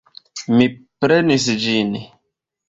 Mi prenis ĝin.